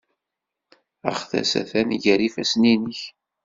Aɣtas atan gar yifassen-nnek.